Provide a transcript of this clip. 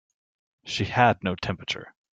She had no temperature.